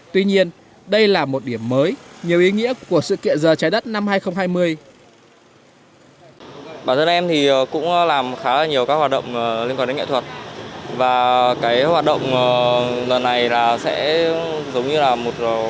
tuy nhiên đây là một điểm mới nhiều ý nghĩa của sự kiện giờ trái đất năm hai nghìn hai mươi